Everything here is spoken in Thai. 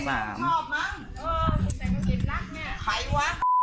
ทำไมมันเร็ว